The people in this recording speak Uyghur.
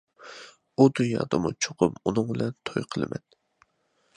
ئۇ دۇنيادىمۇ چوقۇم ئۇنىڭ بىلەن توي قىلىمەن.